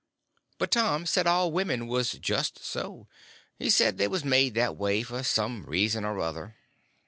But Tom said all women was just so. He said they was made that way for some reason or other.